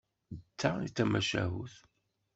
D ta i d tamacahut.